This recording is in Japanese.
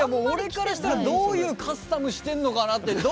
俺からしたらどういうカスタムしてんのかなって。